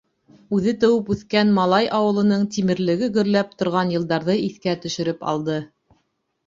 Үҙе тыуып үҫкән Малай ауылының тимерлеге гөрләп торған йылдарҙы иҫкә төшөрөп алды.